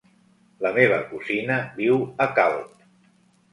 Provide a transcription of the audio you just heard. La meva cosina viu a Calp.